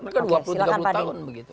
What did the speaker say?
kan dua puluh tiga puluh tahun begitu